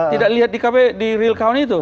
tidak lihat di real count itu